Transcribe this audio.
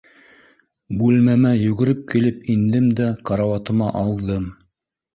Бүлмәмә йүгереп килеп индем дә, карауатыма ауҙым.